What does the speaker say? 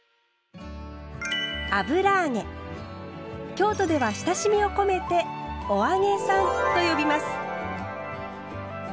京都では親しみを込めて「お揚げさん」と呼びます。